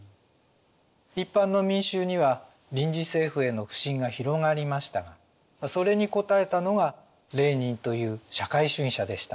一般の民衆には臨時政府への不信が広がりましたがそれに応えたのがレーニンという社会主義者でした。